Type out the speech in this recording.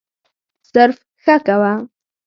صرف «ښه» کوه.